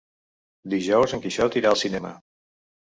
Dijous en Quixot irà al cinema.